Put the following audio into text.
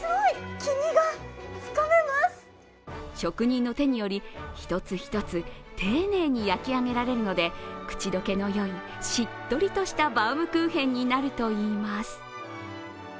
職人の手により一つ一つ丁寧に焼き上げられるので口溶けのよい、しっとりとしたバウムクーヘンになるといいます。